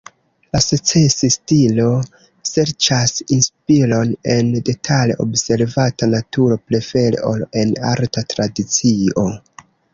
La "Secesi-stilo" serĉas inspiron en detale observata naturo, prefere ol en arta tradicio.